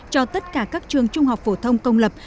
cho tất cả các trường trung học phổ thông công lập